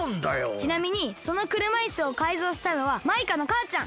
ちなみにそのくるまいすをかいぞうしたのはマイカのかあちゃん。